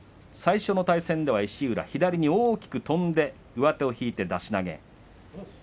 最初の対戦では石浦左大きく跳んで上手を引いて出し投げ。